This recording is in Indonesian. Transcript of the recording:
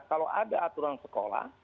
kalau ada aturan sekolah